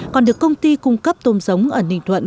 còn được công ty cung cấp tôm giống ở ninh thuận